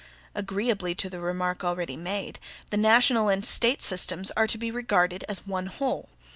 Agreeably to the remark already made, the national and State systems are to be regarded as ONE WHOLE.